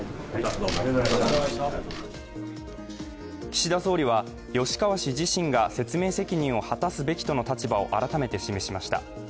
岸田総理は吉川氏自身が説明責任を果たすべきとの立場を改めて示しました。